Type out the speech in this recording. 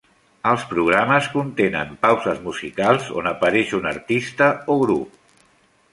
Els programes contenen pauses musicals, on apareix un artista o grup.